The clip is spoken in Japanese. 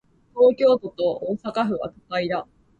東京都と大阪府は、都会だ。